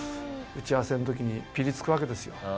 「打ち合わせの時にピリつくわけですよ」